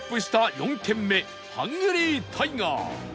４軒目ハングリータイガー